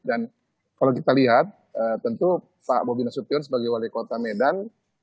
dan kalau kita lihat tentu pak bobi nasution sebagai wali kota medan